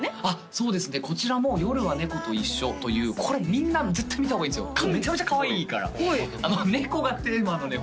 そうですねこちらも「夜は猫といっしょ」というこれみんな絶対見た方がいいですよめちゃめちゃかわいいから猫がテーマのね